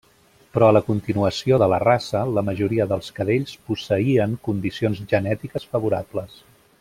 Per a la continuació de la raça, la majoria dels cadells posseïen condicions genètiques favorables.